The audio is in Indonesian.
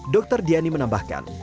dr diani menambahkan